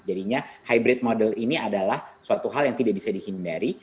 jadinya hybrid model ini adalah suatu hal yang tidak bisa dihindari